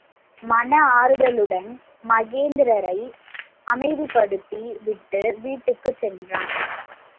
மன ஆறுதலுடன் மகேந்திரரை அமைதிப்படுத்தி விட்டு வீட்டுக்குச் சென்றார்.